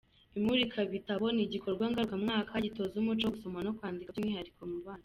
Imurikabitabo ni igikorwa ngarukamwaka gitoza umuco wo gusoma no kwandika by’umwihariko mu bana.